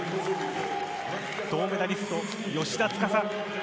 銅メダリスト、芳田司。